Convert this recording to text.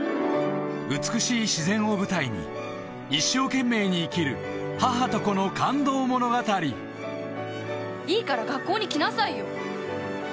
美しい自然を舞台に一生懸命に生きるいいから学校に来なさいよ！